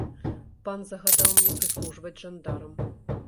Пан загадаў мне прыслужваць жандарам.